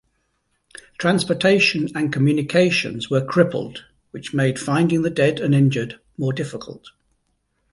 Transportation and communications were crippled, which made finding the dead and injured more difficult.